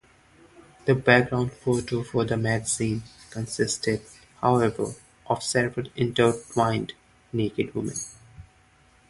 The background photo for the 'magazine' consisted, however, of several intertwined naked women.